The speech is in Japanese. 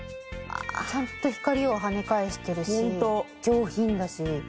ちゃんと光をはね返してるし上品だし。